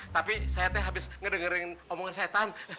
tapi saya teh habis ngedengerin omongan setan